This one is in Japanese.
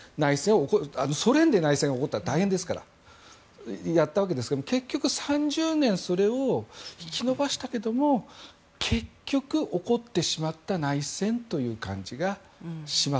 ソ連で内戦が起こったら大変ですから、やったわけですが結局、３０年それを引き延ばしたけれども結局起こってしまった内戦という感じがします。